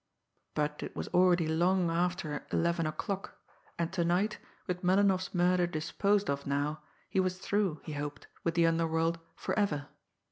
But it was already long after eleven o'clock, and to night, with Melinoff's murder disposed of now, he was through, he hoped, with the underworld forever.